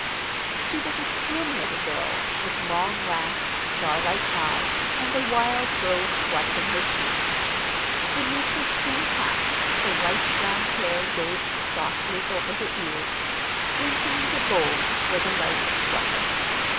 She was a slim little girl with long lashed, starlike eyes and a wild rose flush in her cheeks. Beneath her trim hat her light brown hair waved softly over her ears, glinting into gold where the light struck it.